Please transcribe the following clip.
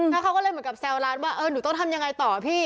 แล้วเขาก็เลยเหมือนกับแซวร้านว่าเออหนูต้องทำยังไงต่อพี่